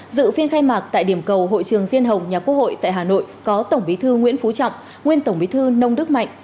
dự phiên khai mạc tại điểm cầu hội trường diên hồng nhà quốc hội tại hà nội có tổng bí thư nguyễn phú trọng nguyên tổng bí thư nông đức mạnh